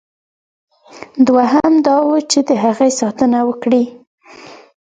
دوهم دا وه چې د هغه ساتنه وکړي.